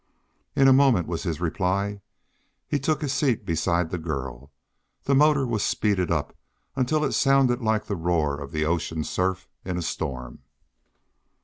"In a moment," was his reply. He took his seat beside the girl. The motor was speeded up until it sounded like the roar of the ocean surf in a storm.